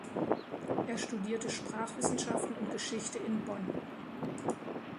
Er studierte Sprachwissenschaften und Geschichte in Bonn.